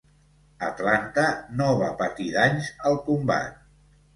"Atlanta" no va patir danys al combat.